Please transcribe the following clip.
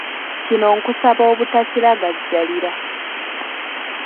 Kino nkusaba obutakiragajjalira.